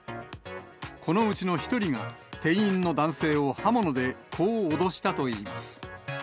このうちの１人が、店員の男性を刃物で、こう脅したといいます。